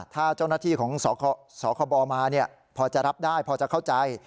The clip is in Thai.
ถ้าเจ้าหน้าที่ของสคบมาพอจะรับได้พอจะเข้าใจ